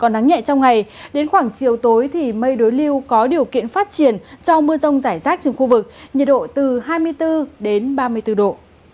nắng nhẹ trong ngày đến khoảng chiều tối thì mây đối lưu có điều kiện phát triển cho mưa rông rải rác trên khu vực nhiệt độ từ hai mươi bốn đến ba mươi bốn độ